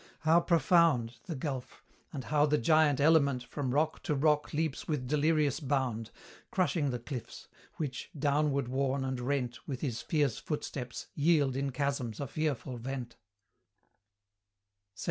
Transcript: How profound The gulf! and how the giant element From rock to rock leaps with delirious bound, Crushing the cliffs, which, downward worn and rent With his fierce footsteps, yield in chasms a fearful vent LXXI.